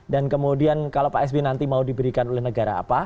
dan kemudian kalau pak sbi nanti mau diberikan oleh negara apa